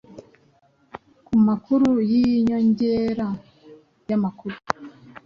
Kumakuru yinyongera yamakuru